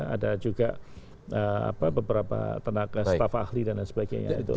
ada juga beberapa tenaga staff ahli dan sebagainya